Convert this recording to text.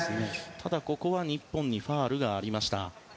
ただ、日本にファウルがありました。